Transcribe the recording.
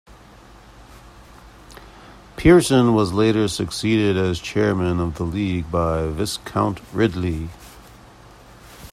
Pearson was later succeeded as chairman of the League by Viscount Ridley.